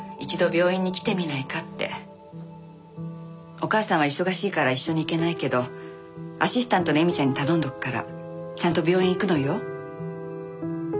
お母さんは忙しいから一緒に行けないけどアシスタントの恵美ちゃんに頼んでおくからちゃんと病院へ行くのよ。